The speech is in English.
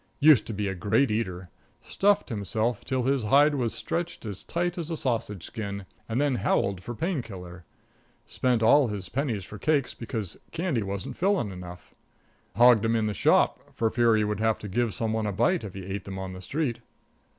Used to be a great eater. Stuffed himself till his hide was stretched as tight as a sausage skin, and then howled for painkiller. Spent all his pennies for cakes, because candy wasn't filling enough. Hogged 'em in the shop, for fear he would have to give some one a bite if he ate them on the street.